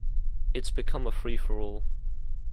It's become a free-for-all.